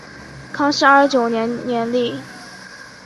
康熙二十九年立。